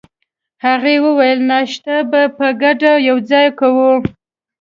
هغې وویل: ناشته به په ګډه یوځای کوو.